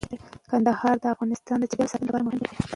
کندهار د افغانستان د چاپیریال ساتنې لپاره مهم دی.